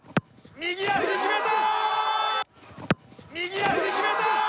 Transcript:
右足決めた！